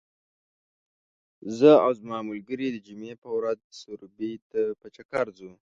زه او زما ملګري د جمعې په ورځ سروبي ته په چکر ځو .